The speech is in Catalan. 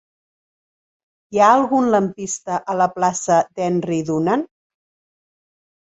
Hi ha algun lampista a la plaça d'Henry Dunant?